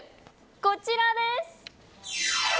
こちらです。